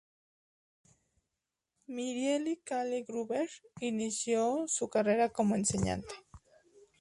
Mireille Calle-Gruber inició su carrera como enseñante.